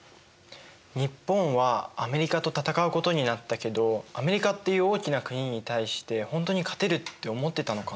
日本はアメリカと戦うことになったけどアメリカっていう大きな国に対して本当に勝てるって思ってたのかな？